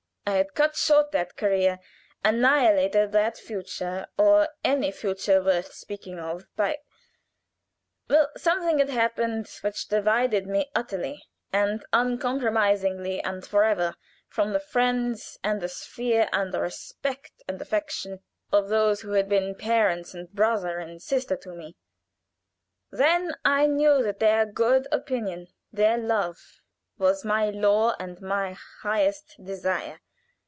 I had cut short that career, annihilated that future, or any future worth speaking of, by well, something had happened which divided me utterly and uncompromisingly and forever from the friends, and the sphere, and the respect and affection of those who had been parents and brother and sister to me. Then I knew that their good opinion, their love, was my law and my highest desire.